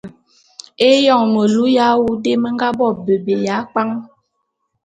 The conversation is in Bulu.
Éyon melu ya awu dé me nga bo bébé ya kpwan.